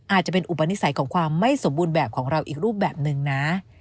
อาจจะเป็นอุปนิสัยของความไม่สมบูรณ์แบบของเราอีกรูปแบบหนึ่งนะ